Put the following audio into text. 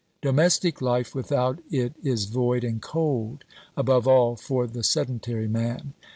Domestic hfe without it is void and cold, above all for the sedentary man.